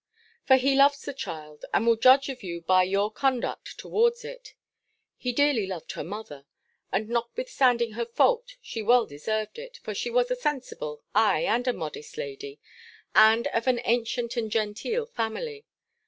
For he loves the child, and will judge of you by your conduct towards it. He dearly loved her mother; and notwithstanding her fault, she well deserved it: for she was a sensible, ay, and a modest lady, and of an ancient and genteel family.